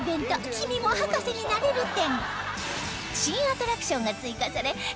「君も博士になれる展」！